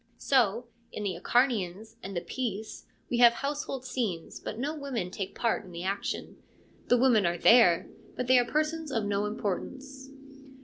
So in the Acharnians and the Peace we have household scenes, but no women take part in the action : the women are there, but they are persons of no importance.